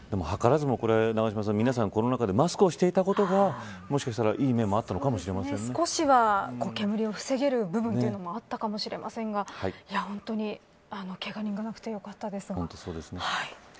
はからずも皆さんコロナ禍でマスクをしていたことがいい面も少しは煙を防げる部分もあったかもしれませんが本当にけが人がなくてよかったです。